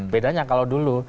bedanya kalau dulu